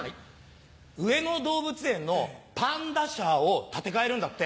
上野動物園のパンダ舎を建て替えるんだって。